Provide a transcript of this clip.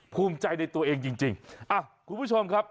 ภูมิใจในตัวเองจริงจริงอ่ะคุณผู้ชมครับ